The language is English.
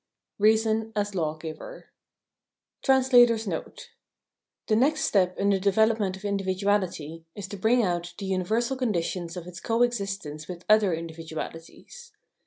Reason as Lawgiver [The nest step in the development of individuality is to bring out the universal conditions of its co existence with other individualities.